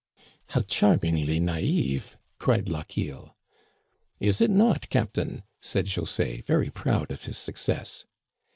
How charmingly nafve I " cried Lochiel. " Is it not, captain ?" said José, very proud of his success.